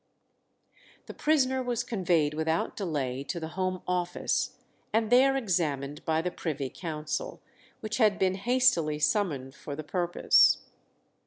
The prisoner was conveyed without delay to the Home Office, and there examined by the Privy Council, which had been hastily summoned for the purpose.